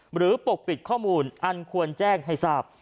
ปกปิดข้อมูลอันควรแจ้งให้ทราบ